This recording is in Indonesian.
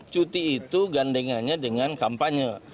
cuti itu gandengannya dengan kampanye